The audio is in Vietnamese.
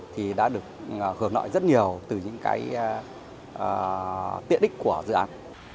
thì đã được hưởng nội rất nhiều từ những cái tiện ích của dự án